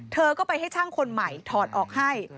เธอก็ไปให้ช่างคนใหม่ถอดออกให้